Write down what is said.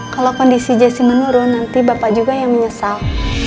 kalau kondisi jessi menurun nanti bapak juga yang menyesal